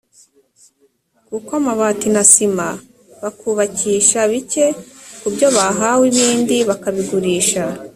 kuko amabati na sima bakubakisha bike kubyo bahawe ibindi bakabigurisha